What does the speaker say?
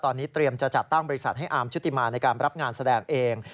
ตอนนี้เตรียมจะจัดตั้งบริษัทให้อาร์มชุติมาในการรับงานแสดงเอง